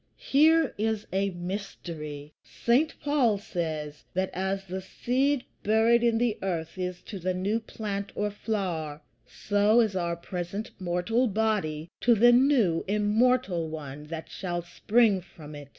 Here is a mystery. St. Paul says, that as the seed buried in the earth is to the new plant or flower, so is our present mortal body to the new immortal one that shall spring from it.